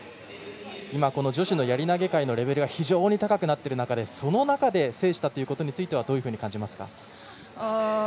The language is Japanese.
今、この女子のやり投げ界のレベルが非常に高くなっている中でその中で制したことはどういうふうに感じますか。